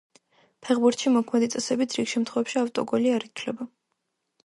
ფეხბურთში მოქმედი წესებით, რიგ შემთხვევებში ავტოგოლი არ ითვლება.